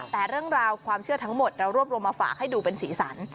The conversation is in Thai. แต่เรื่องราวความเชื่อทั้งหมดเรารวบรวมมาฝากให้ดูเป็นสีสัน